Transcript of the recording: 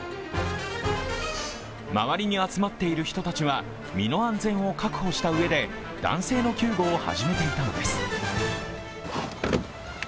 周りに集まっている人たちは身の安全を確保したうえで男性の救護を始めていたのです。